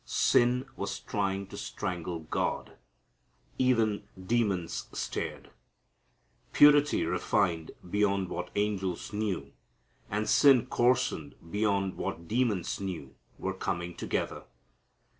Sin was trying to strangle God. Even demons stared. Purity refined beyond what angels knew, and sin coarsened beyond what demons knew were coming together.